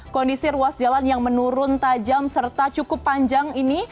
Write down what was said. kondisi ruas jalan yang menurun tajam serta cukup panjang ini